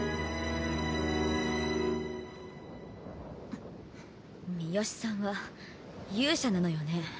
んっ三好さんは勇者なのよね？